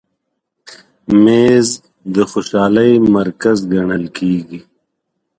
مېز د خوشحالۍ مرکز ګڼل کېږي.